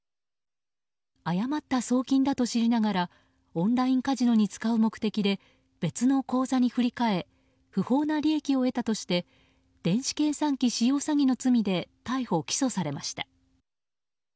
誤った送金だと知りながらオンラインカジノに使う目的で別の口座に振り替え不法な利益を得たとして電子計算機使用詐欺の罪で逮捕・起訴されました。